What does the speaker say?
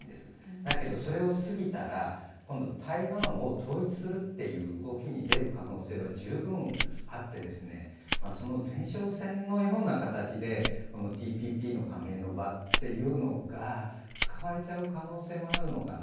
だけど、それを過ぎたら今度、台湾を統一するという動きに出る可能性が十分あって、その前哨戦のような形でＴＰＰの加盟の場っていうのが使われちゃう可能性もあるのかな。